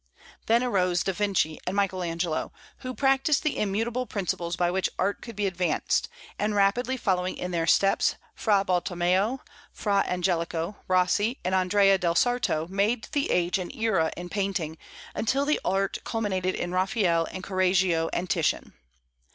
Then arose Da Vinci and Michael Angelo, who practised the immutable principles by which art could be advanced; and rapidly following in their steps, Fra Bartolommeo, Fra Angelico, Rossi, and Andrea del Sarto made the age an era in painting, until the art culminated in Raphael and Corregio and Titian.